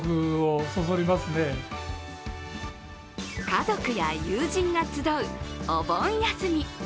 家族や友人が集うお盆休み。